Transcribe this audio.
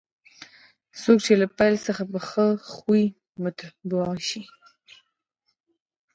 څوک چې له پیل څخه په ښه خوی مطبوع شي.